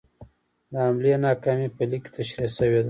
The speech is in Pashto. د حملې ناکامي په لیک کې تشرېح شوې ده.